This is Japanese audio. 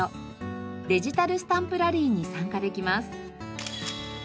デジタルスタンプラリーに参加できます。